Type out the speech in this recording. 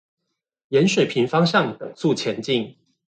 沿水平方向等速前進